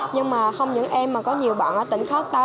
nhưng mà không những em mà có nhiều bạn ở tỉnh khác tới